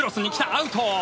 アウト。